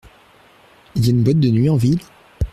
Il y a une boîte de nuit en ville ?